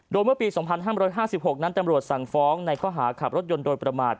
โดยเมื่อปี๒๕๕๖นั้นตำรวจสั่งฟ้องในข้อหาขับรถยนต์โดยประมาท